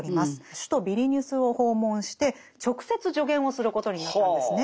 首都ビリニュスを訪問して直接助言をすることになったんですね。